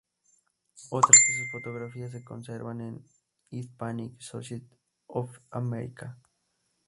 Otras de sus fotografías se conservan en la Hispanic Society of America.